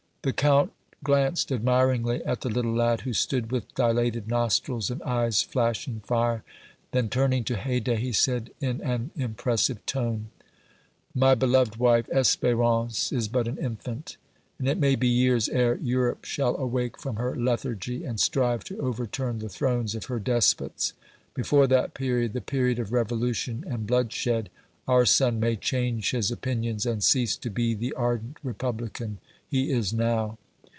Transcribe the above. The Count glanced admiringly at the little lad, who stood with dilated nostrils and eyes flashing fire; then, turning to Haydée, he said in an impressive tone: "My beloved wife, Espérance is but an infant, and it may be years ere Europe shall awake from her lethargy and strive to overturn the thrones of her despots; before that period, the period of revolution and bloodshed, our son may change his opinions and cease to be the ardent Republican he is now."